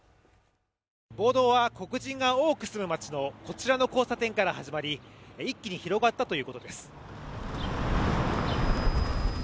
暴動は黒人が多く住む街のこちらの交差点で始まり一気に広がったということです。